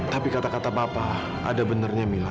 tapi kata kata papa ada benarnya mila